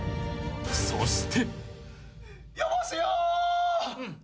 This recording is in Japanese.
［そして］